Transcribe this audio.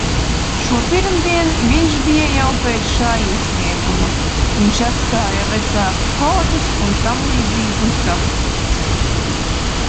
Šopirmdien viņš bija jau pēc šā iesnieguma, viņš atstāja vecāku kodus un tamlīdzīgus datus.